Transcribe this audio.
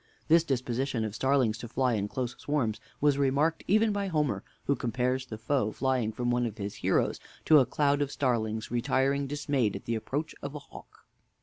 This disposition of starlings to fly in close swarms was remarked even by Homer, who compares the foe flying from one of his heroes to a cloud of starlings retiring dismayed at the approach of the hawk.